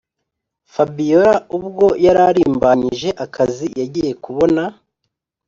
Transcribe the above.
fabiora ubwo yararimbanyije akazi yagiye kubona